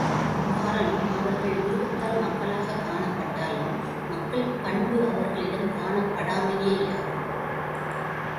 காரணம் அவர்கள் உருவத்தால் மக்களாகக் காணப்பட்டாலும், மக்கட்பண்பு அவர்களிடம் காணப்படாமையே யாகும்.